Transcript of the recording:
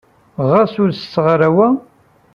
Ɣas ur setteɣ ara wa?